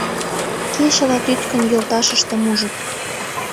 Кечыла тӱткын йолташыштым ужыт!